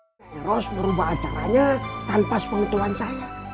nyeros merubah acaranya tanpa sepengutuan saya